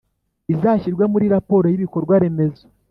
izashyirwe muri raporo yibikorwa remezo